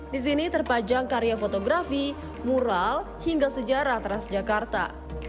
disini terpajang karya fotografi mural hingga sejarah transjakarta